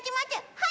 はい。